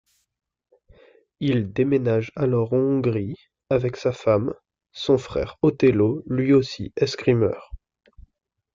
Il déménage alors en Hongrie aves sa femme, son frère Otello lui aussi escrimeur.